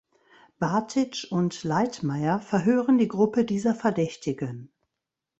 Batic und Leitmayr verhören die Gruppe dieser Verdächtigen.